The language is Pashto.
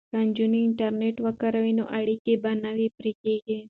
که نجونې انټرنیټ وکاروي نو اړیکې به نه پرې کیږي.